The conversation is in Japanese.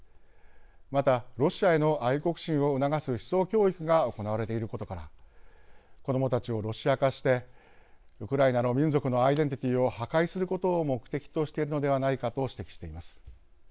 またロシアへの愛国心を促す思想教育が行われていることから子どもたちをロシア化してウクライナの民族のアイデンティティーを破壊することを目的としているのではないかと指摘しています。